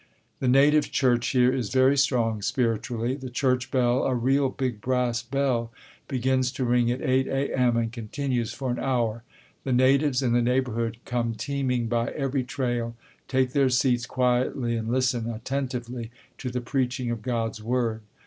The native church here is very strong spiritually. The church bell, a real big brass bell, begins to ring at 8 A. M. and continues for an hour. The natives in the neighborhood come teeming by every trail, take their seats quietly, and listen attentively to the preaching of God's word.